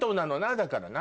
だからな。